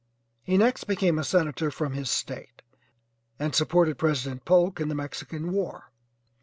He next became a Senator from his State, and supported President Polk in the Mexican war.